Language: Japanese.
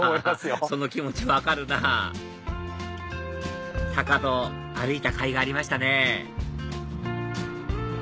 ハハハその気持ち分かるなぁ坂戸歩いたかいがありましたね